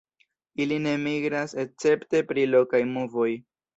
Ili ne migras escepte pri lokaj movoj.